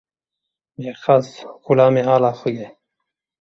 Mêrxas, xulamê ala xwe ye.